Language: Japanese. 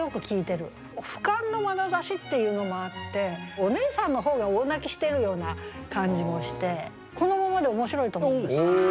ふかんのまなざしっていうのもあってお姉さんの方が大泣きしてるような感じもしてこのままで面白いと思います。